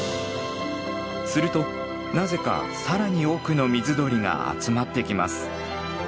するとなぜか更に多くの水鳥が集まってきます。